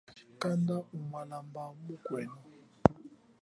Kanda umulamba mukwenu.